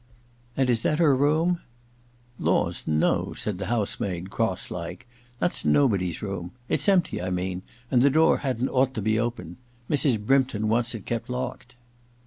* And is that her room ?'* Laws, no/ said the house maid, cross like. * That's nobody's room. It's empty, I mean, and the door hadn't ought to be open. Mrs. Brympton wants it kept locked.'